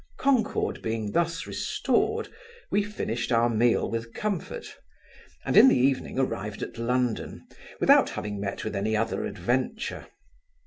Concord being thus restored, we finished our meal with comfort; and in the evening arrived at London, without having met with any other adventure.